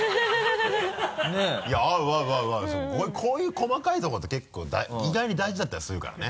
こういう細かいところって結構意外に大事だったりするからね。